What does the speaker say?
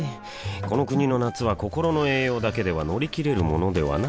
この国の夏は心の栄養だけでは乗り切れるものではない